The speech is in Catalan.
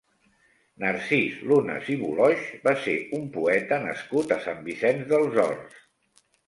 Narcís Lunes i Boloix va ser un poeta nascut a Sant Vicenç dels Horts.